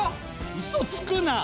うそつくな！